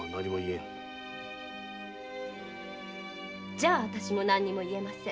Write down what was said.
じゃあたしも何も言えません。